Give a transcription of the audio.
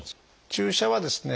注射はですね